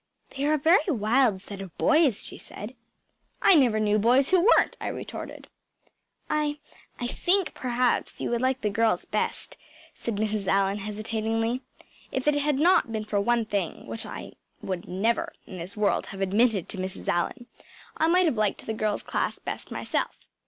“They are a very wild set of boys,‚ÄĚ she said. “I never knew boys who weren‚Äôt,‚ÄĚ I retorted. “I I think perhaps you would like the girls best,‚ÄĚ said Mrs. Allan hesitatingly. If it had not been for one thing which I would never in this world have admitted to Mrs. Allan I might have liked the girls’ class best myself.